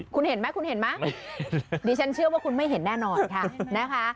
คุณเห็นไหมดิฉันเชื่อว่าคุณไม่เห็นแน่นอนค่ะ